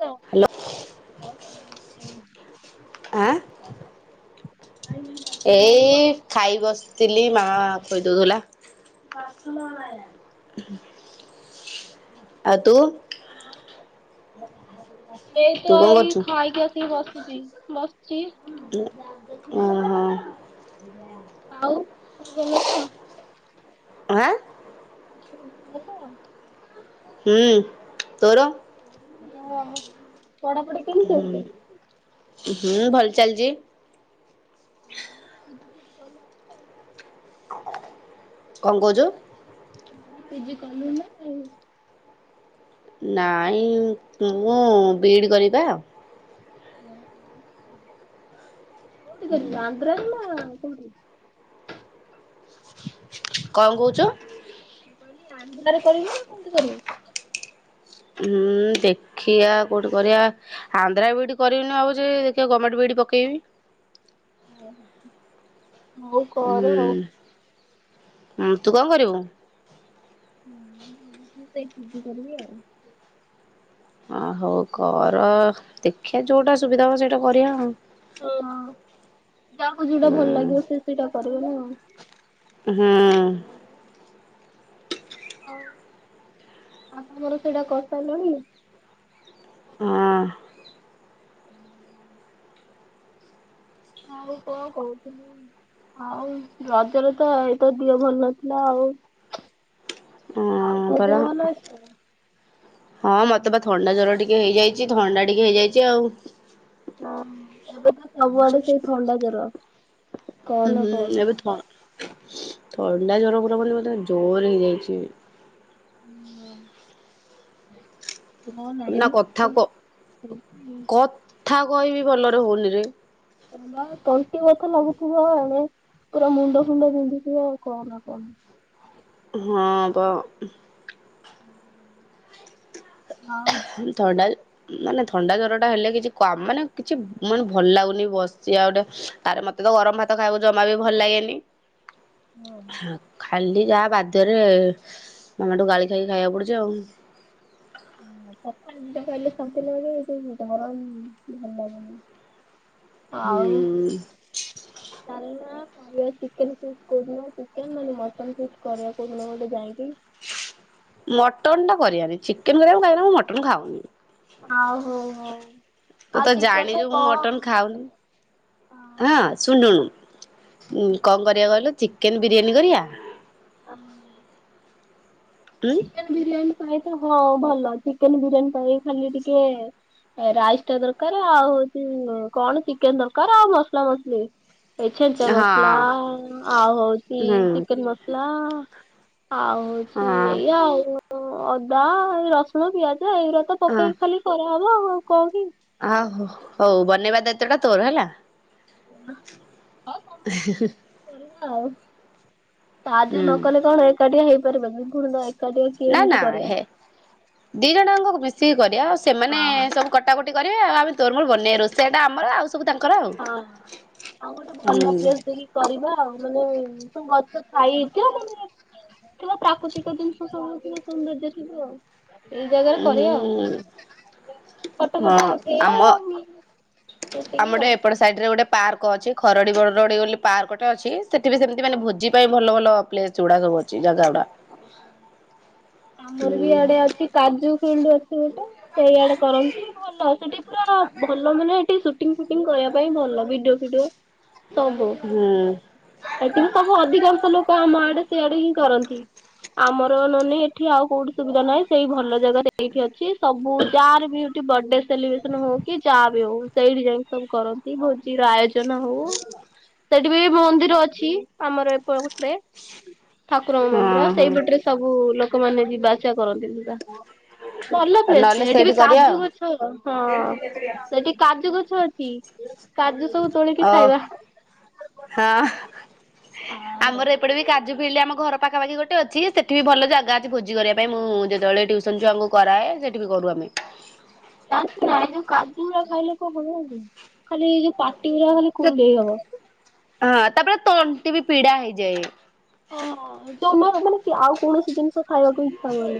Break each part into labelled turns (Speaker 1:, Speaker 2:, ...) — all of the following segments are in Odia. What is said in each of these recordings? Speaker 1: ଗା।
Speaker 2: ହ୍ୟାଲୋ ଆଁ
Speaker 1: [inaudible]
Speaker 2: ଏଇ ଖାଇ ବସିଥିଲି, ମା ଖୋଇଦୋଉଥୁଲା। ଆଉ ତୁ? ତୁ
Speaker 1: ଏଇତ
Speaker 2: କଣ
Speaker 1: ହେଇ
Speaker 2: କରୁଛୁ
Speaker 1: ଖାଇକି ଆସିକି ବସିଚି ବସଚି।
Speaker 2: ଉଁ ଅଁ ହଁ।
Speaker 1: ଆଉ ତୁ ଗଲେ ତ?
Speaker 2: ଆଁ ହୁଁ, ତୋର?
Speaker 1: ଅହ ପଢାପଢି କେମିତି
Speaker 2: ହୁଁ
Speaker 1: ଚାଲିଛି?
Speaker 2: ହୁଁ ଭଲ ଚାଲିଚି।
Speaker 1: ଆଉ ପିଜି ଫିଜି କଲୁନି?
Speaker 2: କଣ କହୁଛୁ?
Speaker 1: ମୁଁ କଇଲି ପିଜି କଲୁ ନା ନାଇଁ?
Speaker 2: ନାଇଁ ମୁଁ ବିଇଡି କରିବି ପା।
Speaker 1: କୋଉଠି କରିବୁ ଆନ୍ଧ୍ରା ରେ ନା କୋଉଠି?
Speaker 2: କଁ କହୁଛୁ?
Speaker 1: ମୁଁ କହିଲି ଆନ୍ଧ୍ରାରେ କରିବୁ ନା କୋଉଠି କରିବୁ?
Speaker 2: ହୁଁ, ଦେଖିଆ କୋଉଠି କରିବା। ଆନ୍ଧ୍ରା ବିଇଡି କରିବିନି ଭାବୁଚି, ଦେଖିଆ ଗମେଟ୍ ବିଇଡି ପକେଇବି।
Speaker 1: ଓହୋ।
Speaker 2: ଉଁ ଉଁ ତୁ କଣ କରିବୁ?
Speaker 1: ମୁଁ ଭାବୁଚି ସେଇ ପିଜି କରିବି ଆଉ।
Speaker 2: ଅ ହଉ କର ଦେଖିବା ଯୋଉଟା ସୁବିଧା ହବ ସେଇଟା କରିଆ ଆଉ।
Speaker 1: ହଁ ଯାହାକୁ ଯୋଉଟା ଭଲ
Speaker 2: ହୁଁ
Speaker 1: ଲାଗିବ ସେ ସେଇଟା କରିବ ନାଉ।
Speaker 2: ହଁ।
Speaker 1: ଆଉ ଆପଣଙ୍କର ସେଇଟା କରିସାରିଲଣି?
Speaker 2: ଆଁ।
Speaker 1: [inaudible] ଆଉ କଣ କହୁଥିଲି ଆଉ ରଜରେ ତ ଏଇ ତ ଦିହ ଭଲ ନଥିଲା ଆଉ।
Speaker 2: ହଁ
Speaker 1: ଆଉ ତୋ
Speaker 2: ପରା।
Speaker 1: ଦେହ ଭଲ ଅଛି ନା?
Speaker 2: ହଁ, ମତେ ବା ଥଣ୍ଡା ଜର ଟିକେ ହେଇଯାଇଛି ଥଣ୍ଡା ଟିକେ ହେଇଯାଇଛି ଆଉ।
Speaker 1: ହଁ, ଏବେ ତ ସବୁଆଡେ ସେଇ ଥଣ୍ଡା ଜର।
Speaker 2: ଉଁ
Speaker 1: କହନା
Speaker 2: ହୁଁ
Speaker 1: କହନା।
Speaker 2: ଏବେ ଥ ସୁ ଥଣ୍ଡା ଜର ପୁରପୁରି ମୋତେ ଜୋରେ ହେଇଯାଇଛି।
Speaker 1: ହୁଁ [unintelligible] କହନା
Speaker 2: ନା
Speaker 1: ଏମିତି
Speaker 2: କଥା
Speaker 1: ଥଣ୍ଡା [unintelligible] ହେଇଛି ଯେ
Speaker 2: ଥା କହିବି ଭଲରେ ହଉନି ରେ।
Speaker 1: ହଁ ବା ତଣ୍ଟି ବଥା ଲାଗୁଥିବ ଏଣେ ପୁରା ମୁଣ୍ଡ ଫୁଣ୍ଡ ବିନ୍ଧୁଥିବ ଆଉ କହନା କହନା।
Speaker 2: ହଁ ପା।
Speaker 1: ଆଉ?
Speaker 2: ଖାଲି ଥଣ୍ଡା ମାନେ ଥଣ୍ଡା ଜରଟା ହେଲେ କିଛି କାମ୍ ମାନେ କିଛି ମୁଁ କଇନି ଭଲ ଲାଗୁନି ବସିଛି ଆଉ ଗୋଟେ ଆରେ ମତେ ତ ଗରମ ଭାତ ଖାଇବାକୁ ଜମା ବି ଭଲ ଲାଗେନି। ହଁ। ଖାଲି ଯାହା ବାଧ୍ୟରେ ମାମାଠୁ ଗାଳି ଖାଇକି ଖାଇବାକୁ ପଡ଼ୁଛି ଆଉ।
Speaker 1: ହୁଁ, ପଖାଳ ଦିଟା ଖାଇଲେ ଶାନ୍ତି ଲାଗେ ଏଇ ଯୋଉ ଗରମ୍ ଭଲ ଲାଗୁନି। ଆଉ
Speaker 2: ହୁଁ।
Speaker 1: ଚାଲୁ ନ କ କରିବା ଚିକେନ୍ ଫିଷ୍ଟ୍ କୋଉଦିନ ଚିକେନ୍ ନହେଲେ ମଟନ ଫିଷ୍ଟ୍ କରିବା କୋଉଦିନ ଗୋଟେ ଯାଇକି?
Speaker 2: ମଟନ୍ ଟା କରିଆନି, ଚିକେନ୍ କରିଆ କାଇଁକିନା ମୁଁ ମଟନ୍ ଖାଉନି।
Speaker 1: ଆଉ ହଉ ହଉ
Speaker 2: ତୁ
Speaker 1: ଆଉ
Speaker 2: ତ
Speaker 1: ଚିକେନ ରେ
Speaker 2: ଜାଣିଛୁ ମୁଁ
Speaker 1: କଣ
Speaker 2: ମଟନ୍ ଖାଉନି। ହଁ ଶୁଣୁ ଶୁଣୁ କଣ କରିବା କହିଲୁ ଚିକେନ ବିରିୟାନୀ କରିବା। ଉଁ।
Speaker 1: ଚିକେନ ବିରିୟାନୀ ପାଇଁ ତ ହଁ ଭଲ ଚିକେନ ବିରିୟାନୀ ପାଇଁ ଖାଲି ଟିକେ ଏ ରାଇସ ଟା ଦରକାର ଆଉ ହଉଛି କଣ ଚିକେନ ଦରକାର ଆଉ ମସଲା ମସଲି। ଏ ଛେଞ୍ଚା
Speaker 2: ହଁ
Speaker 1: ମସଲା ଆଉ ହଉଛି
Speaker 2: ହୁଁ
Speaker 1: ଚିକେନ ମସଲା ଆଉ
Speaker 2: ହଁ
Speaker 1: ଇ ଏଇଆ ଆଉ ଅଦା ରସୁଣ ପିଆଜ ଏଇଗୁରା ତ
Speaker 2: ହଁ
Speaker 1: ପକେଇକି ଖାଲି କରାହବ ମୁଁ କହୁଚି।
Speaker 2: ଆ, ହୋ ହଉ ବନେଇବା ଦାୟିତ୍ଵ ଟା ତୋର ହେଲା।
Speaker 1: ଆଉ ସାହାଯ୍ୟ
Speaker 2: ହୁଁ
Speaker 1: ନ କଲେ କଣ ଏକାଟିଆ ହେଇପାରିବନି। ପୁଣି ତ ଏଇ
Speaker 2: ନା ନା ହେ ଦି ଜଣଯାକଙ୍କ ମିଶିକି କରିବା, ଆଉ ସେମାନେ
Speaker 1: ହଁ।
Speaker 2: ସବୁ କଟା କଟି କରିବେ ଆମେ ତୋର ମୋର ବନେଇବା ରୋଷେଇଟା ଆମର ଆଉ ସବୁ ତାଙ୍କର ଆଉ।
Speaker 1: ହଁ ଆଉ ଗୋଟେ ଭଲ
Speaker 2: ହୁଁ,
Speaker 1: ପ୍ଲେସ ଦେଖି କରିବା ଆଉ ମାନେ ସବୁ ଗଛ ଖାଇ ହେଇଛି ନା ମାନେ ଥିବ ପ୍ରାକୃତିକ ଜିନିଷ ସବୁଥିବ ସୌନ୍ଦର୍ଯ୍ୟ ଥିବ ଆଉ ଏଇ ଜାଗାରେ କରିଆ ଆଉ।
Speaker 2: ହୁଁ
Speaker 1: ଫଟୋ
Speaker 2: ହଁ
Speaker 1: ଫଟୋ ଉଠେଇଆ
Speaker 2: ଆମ
Speaker 1: ଆଉ
Speaker 2: ଆମ
Speaker 1: ଏତିକି
Speaker 2: ଗୋଟେ
Speaker 1: ଆଉ।
Speaker 2: ଏପଟ ସାଇଡ ରେ ଗୋଟେ ପାର୍କ ଅଛି ଖରଡି ବରଡି ବୋଲି ପାର୍କ ଟେ ଅଛି। ସେଠି ବି ସେମିତି ମାନ ଭୋଜି ପାଇଁ ଭଲ ଭଲ ପ୍ଲେସ୍ ଗୁଡା ସବୁ ଅଛି ଜାଗା ଗୁଡା।
Speaker 1: ଆମର ବି
Speaker 2: ହୁଁ
Speaker 1: ଇଆଡେ ଅଛି କାଜୁ ଫିଲ୍ଡ ଅଛି ଗୋଟେ। ସେଇଆଡେ କରନ୍ତି, ଭଲ ସେଠି ପୁରା ଭଲ ମାନେ ଏଠି ସୁ ସୁଟିଙ୍ଗ ଫୁଟିଂ କରିବା ପାଇଁ ଭଲ, ଭିଡିଓ ଫିଡିଓ ସବୁ।
Speaker 2: ହଁ।
Speaker 1: ଏଥିରେ ସବୁ ଅଧିକାଂଶ ଲୋକ ଆମ ଆଡେ ସିଆଡେ ହିଁ କରନ୍ତି। ଆମର ନନେ ଏଠି ଆଉ କୋଉଠି ସୁବିଧା ନାହିଁ, ସେଇ ଭଲ ଜାଗାରେ ସେଇଠି ଅଛି, ସବୁ ଯାହାର ବି ଏଠି ବଡେ ସେଲିବ୍ରେସନ୍ ହଉ କି ଯାହାବି ହଉ ସେଇଠି ଯାଇକି ସବୁ କରନ୍ତି। ଭୋଜିର ଆୟୋଜନ ହଉ ସେଠି ବି ମନ୍ଦିର ଅଛି ଆମର ଏପଟରେ। ଠାକୁରଙ୍କ
Speaker 2: ହଁ
Speaker 1: ମନ୍ଦିର
Speaker 2: ହଁ।
Speaker 1: ସେଇପଟରେ ସବୁ ଲୋକମାନେ ଯିବା ଆସିବା କରନ୍ତି ପୁରା। ଭଲ ପ୍ଲେସ୍
Speaker 2: ନହେଲେ
Speaker 1: ଟେ ଏଠି
Speaker 2: ସେଇଠି
Speaker 1: ବି
Speaker 2: କରିବା ଆଉ।
Speaker 1: କାଜୁ ଗଛ ହଁ, ସେଠି କାଜୁ ଗଛ ଅଛି, କାଜୁ ସବୁ ତୋଳିକି
Speaker 2: ଓ
Speaker 1: ଖାଇବା।
Speaker 2: ହଁ ଆମର ଏପଟେ ବି କାଜୁ ଫିଲ୍ଡ ଆମ ଘର ପାଖାପାଖି ଗୋଟେ ଅଛି ସେଠି ଭଲ ଜାଗା ଅଛି ଭୋଜି କରିବା ପାଇଁ, ମୁଁ ଯେତେବେଳେ ଟିଉସନ୍ ଛୁଆଙ୍କୁ କରାଏ ସେଠି ବି କରୁ ଆମେ।
Speaker 1: ଜାଣିଛୁନା ଏଇ ଯୋଉ କାଜୁଗୁୁରା ଖାଇଲେ କଣ ହବ ଜାଣିଚୁ? ଖାଲି ଏଇ ଯୋଉ ପାଟି ଗୁରା ଖାଲି କୁଣ୍ଡେଇ ହବ।
Speaker 2: ହଁ ତାପରେ ତଣ୍ଟି ବି ପୀଡା ହେଇଯାଏ।
Speaker 1: ହଁ ଜମା ମାନେ କି-ଆଉ କୌଣସି ଜିନିଷ ଖାଇବାକୁ ଇଚ୍ଛା ହୁଏନି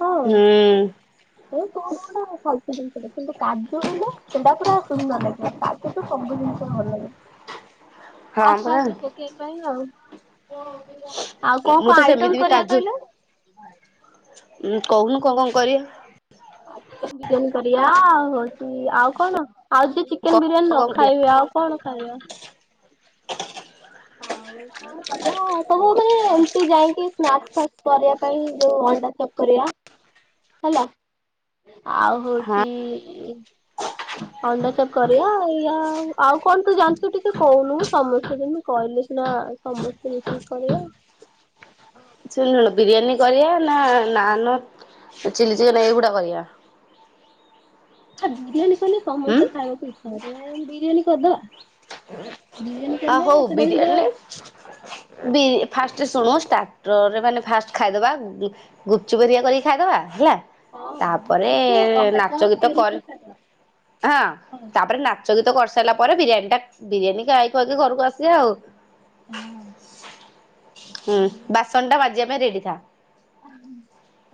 Speaker 1: ହଁ।
Speaker 2: ହୁଁ
Speaker 1: ଏ କୋଉ କୋଉଟା ଫାଲତୁ ଜିନିଷ ଟା କିନ୍ତୁ କାଜୁ ହେଲେ ସେଇଟା ପୁରା ସୁନ୍ଦର ଲାଗିବ, ତା ସହିତ ସବୁ ଜିନିଷ ଭଲ ଲାଗେ।
Speaker 2: ହଁ
Speaker 1: ଫାଷ
Speaker 2: ପରା।
Speaker 1: ଫାଷ ସେ କେକେଇ ପାଇଁ ଆଉ। ଆଉ କୋଉ
Speaker 2: ମୁଁ
Speaker 1: କୋଉ
Speaker 2: ତ
Speaker 1: ଆଇଟମ୍
Speaker 2: ସେମିତି ବି
Speaker 1: କରିବା କହିଲ?
Speaker 2: ଉଁ, କହୁନୁ କଣ କଣ କରିବା?
Speaker 1: ଆ, ଚିକେନ୍ ବିରିୟାନୀ କରିବା, ଆଉ ହଉଛି ଆଉ କଣ? ଆଉ ଯିଏ ଚିକେନ୍ ବିରିୟାନୀ ନ
Speaker 2: କରିବା?
Speaker 1: ଖାଇବେ, ଆଉ କଣ ଖାଇବ? ଆଉ କଣ? କଣ କରିବା ସବୁ ମାନେ ଏମତି ଯାଇକି ସ୍ନାକ୍ ଫାସ୍ କରିବା ପାଇଁ ଯୋଉ ଅଣ୍ଡା ଚପ୍ କରିବା। ହେଲା, ଆଉ ହଉଚି
Speaker 2: ହଁ
Speaker 1: ଅଣ୍ଡାଚପ୍ କରିବା, ଇ ଆଉ ଆଉ କଣ ତୁ ଜାଣିଚୁ ଟିକେ କହୁନୁ? ସମସ୍ତେ ଯେମତି କହିଲେ ସିନା ସମସ୍ତେ ମିଶିକି କରିବା।
Speaker 2: ଶୁଣୁୁଶୁଣୁ ବିରିୟାନୀ କରିବା ନା ନାନ ଚିଲି ଚିକେନ୍ ଏଇଗୁଡା କରିବା?
Speaker 1: ହେ ବିରିୟାନୀ କଲେ
Speaker 2: ହୁଁ
Speaker 1: ସମସ୍ତେ ଖାଇବାକୁ ଇଚ୍ଛା କରିବେ। ବିରିୟାନୀ କରିଦବା। ବିରିୟାନୀ
Speaker 2: ଆ,
Speaker 1: କଲେ
Speaker 2: ହଉ
Speaker 1: ସେଟା ବି
Speaker 2: ବିରିୟା
Speaker 1: ସୁଧା
Speaker 2: ଲେ ବିରି ଫାଷ୍ଟ ଶୁଣୁ ଷ୍ଟାର୍ଟରେ ମାନେ ଫାଷ୍ଟ ଖାଇଦବା ଉଁ, ଗୁପ୍ ଚୁପ୍ ହେରିକା କରିକି ଖାଇଦବା ହେଲା
Speaker 1: ହଁ
Speaker 2: ତାପରେ
Speaker 1: ତାକୁ ଅଣ୍ଡା
Speaker 2: ନାଚ ଗୀତ
Speaker 1: ଚପ୍ ଏଗୁରା
Speaker 2: କରେ
Speaker 1: ସବୁ ଖାଇଦବା।
Speaker 2: ହଁ ତାପରେ ନା ନାଚ ଗୀତ କରିସାରିଲା ପରେ, ବିରିୟାନୀ ଟା ବିରିୟାନୀ ଖାଇ ଖୁଆଇକି ଘରକୁ ଆସିବା ଆଉ।
Speaker 1: ହଁ।
Speaker 2: ହୁଁ ବାସନ ଟା ମାଜିବା ପାଇଁ ରେଡି ଥା।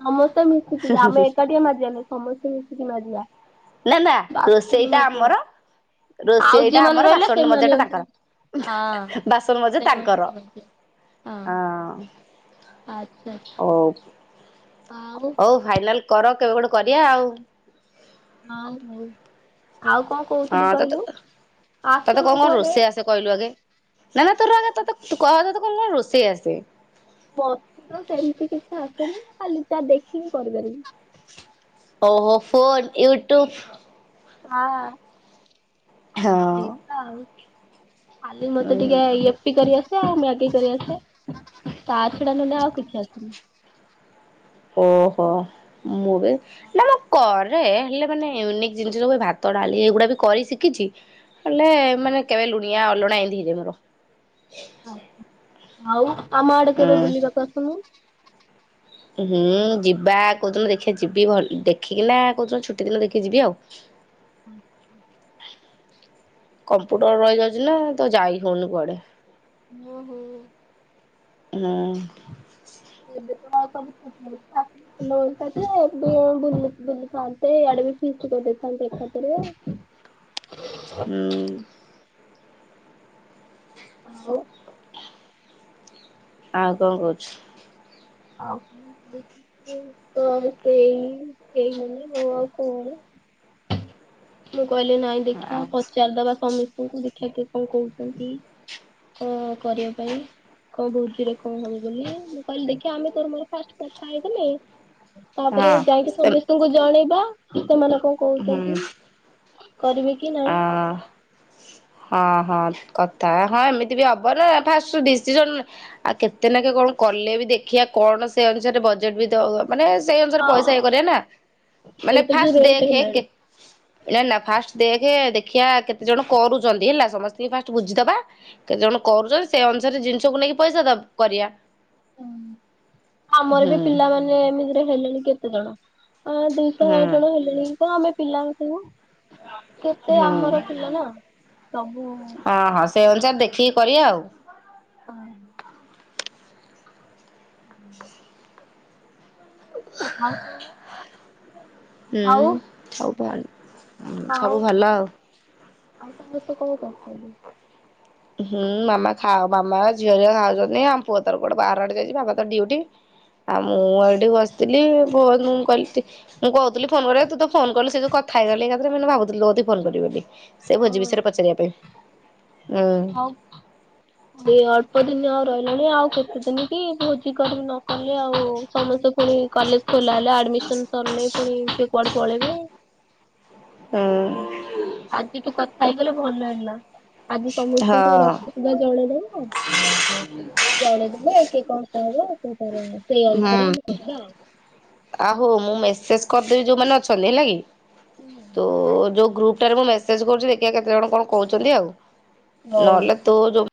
Speaker 1: ସମସ୍ତେ ମିଶିକି ଆମେ ଏକାଟିଆ ମାଜିବାନି, ସମସ୍ତେ ମିଶିକି ମାଜିବା।
Speaker 2: ନା ନା
Speaker 1: ବାସନ
Speaker 2: ରୋଷେଇଟା
Speaker 1: ମାଜିବା।
Speaker 2: ଆମର,
Speaker 1: ଆଉ ଯିଏ
Speaker 2: ରୋଷେଇଟା
Speaker 1: ମାନେ
Speaker 2: ଆମର
Speaker 1: ରହିଲେ
Speaker 2: ବାସନ
Speaker 1: ସେମାନେ
Speaker 2: ମଜାଟା
Speaker 1: ହଉଛନ୍ତି
Speaker 2: ତାଙ୍କର।
Speaker 1: ହଁ
Speaker 2: ବାସନ ମଜା ତାଙ୍କର।
Speaker 1: ସେମାନେ ମାଜିବେ।
Speaker 2: ହଁ।
Speaker 1: ଆଚ୍ଛା ଆଚ୍ଛା। ଆଉ
Speaker 2: ହୋଉ ଫାଇନାଲ କର କେବେ ଗୋଟେ କରିବା ଆଉ।
Speaker 1: ହଁ ହୋଉ। ଆଉ କଣ କହୁଥିଲି
Speaker 2: ହଁ ତତେ
Speaker 1: କହିଲୁ, ଆସୁନୁ କୁଆଡେ।
Speaker 2: ତୁ କହିଲୁ ଆଗେ। ନା ନା ତୋର ଆଗେ ତ କହେ କଣ କଣ ରୋଷେଇ ଆସେ?
Speaker 1: ମତେ ସେମିତି କିଛି ଆସେନି, ଖାଲି ଯାହା ଦେଖିକି କରିପାରିବି।
Speaker 2: ହୋଉ ହୋଉ, ଫୋନ୍, ୟୁଟ୍ୟୁବ
Speaker 1: ଆ।
Speaker 2: ହଁ।
Speaker 1: ସେଇତ ଆଉ ଖାଲି ମତେ
Speaker 2: ହୁଁ
Speaker 1: ଟିକେ ଇଏ ରୁଟି କରି ଆସେ। ଆଉ ମ୍ୟାଗି କରିଆସେ। ତା ଛଡା ନହେଲେ ଆଉ କିଛି ଆସେନି।
Speaker 2: ଓହୋ। ମୁଁ ବି ନା ମୁଁ କରେ ହେ ହେଲେ ମାନେ ୟୁନିକ୍ ଜିନିଷ ସବୁ, ଭାତ ଡାଲି ଏଇଗୁଡ଼ା ବି କରି ଶିଖିଛି ହେଲେ ମାନେ କେବେ ଲୁଣିଆ ଅଲଣା ଏମିତି ହେଇଯିବ ମୋର।
Speaker 1: ଆଚ୍ଛା। ଆଉ ଆମ ଆଡେ କେବେ
Speaker 2: ହୁଁ
Speaker 1: ବୁଲିବାକୁ ଆସୁନୁ।
Speaker 2: ହୁଁ ଯିବା, କୋଉଦିନ ଦେଖିବା ଯିବି ଭଲ ଦେଖିକିନା କୋଉଦିନ ଛୁଟି ଦିନ ଦେଖିକି ଯିବି ଆଉ।
Speaker 1: ଆଚ୍ଛା
Speaker 2: କମ୍ପ୍ୟୁଟର ରହିଯାଉଛି ନା ତ ଯାଇ ହୋଉନି କୁଆଡେ।
Speaker 1: ଓହୋ।
Speaker 2: ହୁଁ।
Speaker 1: ଏବେ ତ ଆଉ ସବୁ ଫଟୋ ଉଠା। ନଉ ଥାନ୍ତେ ଏବେ ବୁଲିଥାନ୍ତେ, ଇଆଡେ ବି ଫିଷ୍ଟ କରିଦେଇଥାନ୍ତେ ଏକାଥରେ।
Speaker 2: ହୁଁ।
Speaker 1: ଆଉ।
Speaker 2: ଆଉ କଣ କହୁଛୁ?
Speaker 1: ଆଉ କଣ କହିଛି ସେ ତ ସେଇ ଏଇ ମାନେ ଆଉ କଣ ମୁଁ କହିଲି ନାଇଁ ଦେଖିବା ପଚାରିଦବା ସମିସ୍ତେଙ୍କୁ ଦେଖିବା କିଏ କଣ କହୁଛନ୍ତି। କଣ କରିବା ପାଇଁ। ଆଉ ଭୋଜିରେ କଣ ହବ ବୋଲି। ମୁଁ କହିଲି ଦେଖି ଆମେ ତୋର ମୋର ଫାଷ୍ଟେ କଥା ହେଇଥିଲେ, ତାପରେ
Speaker 2: ହଁ
Speaker 1: ଯାଇକି
Speaker 2: ସେ
Speaker 1: ସମେସ୍ତେ ତାଙ୍କୁ ଜଣେଇବା, ସେମାନେ କଣ
Speaker 2: ହୁଁ
Speaker 1: କହୁଛନ୍ତି କରିବେ କି
Speaker 2: ଅ
Speaker 1: ନାହିଁ।
Speaker 2: ହଁ ହଁ କଥା। ହଁ ଏମିତି ବି ହବ ନା ଫାଷ୍ଟ ରୁ ଡିସିସନ ଆଉ କେତେ ନାକ୍ଷେ କଣ କଲେ ବି, ଦେଖିବା କଣ ସେ ଅନୁସାରେ ବଜେଟ ବି ତ ମାନେ ସେଇ ଅନୁସାରେ ପଇସା
Speaker 1: ହଁ।
Speaker 2: ଏଇକରିବା ନା। ମାନେ
Speaker 1: ଏବେ ତ ଯୋଉ
Speaker 2: ପାଷ୍ଟେ
Speaker 1: ରେଟ୍
Speaker 2: ଦେଖେ,
Speaker 1: ହେଲାଣି।
Speaker 2: କେତେ ନା ନା ପାଷ୍ଟେ ଦେଖ ଦେଖିିବା କେତେ ଜଣ କରୁଛନ୍ତି ହେଲା। ସମସ୍ତଙ୍କୁ ଫାଷ୍ଟ ବୁଝିଦବା। କେତେ ଜଣ କରୁଛନ୍ତି। ସେ ଅନୁସାରେ ଜିନିଷକୁ ନେଇକି ପଇସା ଦବା କରିବା।
Speaker 1: ହୁଁ ଆମର ବି
Speaker 2: ହୁଁ
Speaker 1: ପିଲାମାନେ, ଏମିତିରେ ହେଲେଣି କେତେ ଜଣ। ହଁ ଦୁଇଶହ
Speaker 2: ହୁଁ
Speaker 1: ଜଣ ହେଲେଣି କି କଣ ଆମେ ପିଲା ରଖିବୁ। କେତେ
Speaker 2: ହୁଁ
Speaker 1: ଆମର ପିଲ ନା ସବୁ
Speaker 2: ହଁ ହଁ ସେଇ ଅନୁସାରେ ଦେଖିକି କରିବା ଆଉ।
Speaker 1: ହଁ। ଆଉ ସବୁ
Speaker 2: ହୁଁ
Speaker 1: ଆଉ
Speaker 2: ସବୁଆ ଉଁ
Speaker 1: ଆଉ
Speaker 2: ସବୁ ଭଲ ଆଉ।
Speaker 1: ଆଉ ସମସ୍ତେ କଣ କରୁଚନ୍ତି।
Speaker 2: ହୁଁ ମାମା ଖାଅ ମାମା ଝିଅ ଯୋଉ ଖାଉଚନ୍ତି ଆମ ପୁଅ ତାର କୁଆଡେ ବାହାର ଆଡେ ଯାଇଛି ବାପା ତ ଡ଼ିଉଟି। ଆଉ ମୁଁ ଏଇଠି ବସିଥିଲି ପୁଅ ନୁ କହଲି ଟି ମୁଁ କହୁଥିଲି ଫୋନ କରିବାକୁ ତୁ ତ ଫୋନ କଲୁ ସେଇ ଯୋଉ କଥା ହେଇଗଲି ଏକଥାରେ ମୁଁ ଏନା ଭାବୁଥିଲି ତୋ କତିକି ଫୋନ୍ କରିବି ବୋଲି। ସେ ଭୋଜି
Speaker 1: ହଁ
Speaker 2: ବିଷୟରେ ପଚାରିବା ପାଇଁ ଉଁ।
Speaker 1: ଏଇ ଅଳ୍ପ ଦିନି ଆଉ ରହିଲାଣି ଆଉ କେତେ ଦିନି କି ଭୋଜି କରୁନ କଲେ ଆଉ ସମସ୍ତେ ପୁଣି କଲେଜ ଖୋଲା ହେଲେ ଆଡମିସନ ସରିଲେ ପୁଣି କିଏ କୁଆଡେ ପଳେଇବେ।
Speaker 2: ହୁଁ।
Speaker 1: ଆଜିଠୁ କଥା ହେଇଗଲେ ଭଲ ହେଲା। ଆଜି
Speaker 2: ହଁ।
Speaker 1: ସମସ୍ତଙ୍କୁ ରାତି ସୁଧା ଜଣେଇଦବ। ଜଣେଇଦେଲେ କିଏ କଂ କହିବ ସେ ତାର ସେଇ ଅନୁସାରେ ଆମେ କରିବା ଆଉ।
Speaker 2: ଆହୋ ମୁଁ ମେସେଜ କରିଦେବି ଯୋଉମାନେ ଅଛନ୍ତି ହେଲା କି ତୁ ଯୋଉ ଗ୍ରୁପ ଟାରେ ମୁଁ ମେସ୍ ସେଜ କରୁଛି ଦେଖିଆ କେତେ ଜଣ କଅଣ କହୁଛନ୍ତି ଆଉ
Speaker 1: ଆଉ
Speaker 2: ନହେଲେ ତୁ ଯୋଉ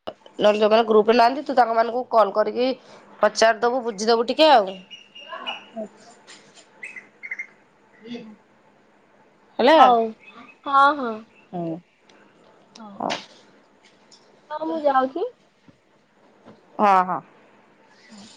Speaker 2: [inaudible] ଜଣ ଗ୍ରୁପରେ ନାହାନ୍ତି ତୁ ତାଙ୍କ ମାନଙ୍କୁ କଲ୍ କରିକି ପଚାରଦବୁ ବୁଝିଦବୁ ଟିକେ ଆଉ।
Speaker 1: ଆଚ୍ଛା ଆଚ୍ଛା।
Speaker 2: [inaudible]
Speaker 1: ହଉ ହଁ ହଁ।
Speaker 2: ହୁଁ।
Speaker 1: ହଉ ହଉ ମୁଁ ଯାଉଛି।
Speaker 2: ଅ ହଁ।
Speaker 1: ହଁ।